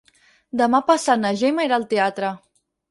Demà passat na Gemma irà al teatre.